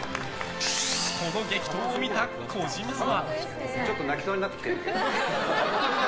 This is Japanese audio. この激闘を見た児嶋は。